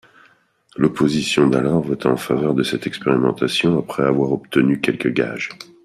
L’opposition d’alors vota en faveur de cette expérimentation après avoir obtenu quelques gages.